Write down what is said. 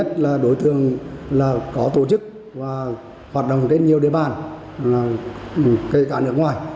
có tổ chức và hoạt động trên nhiều địa bàn kể cả nước ngoài